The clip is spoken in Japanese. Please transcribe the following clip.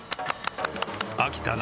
飽きたな。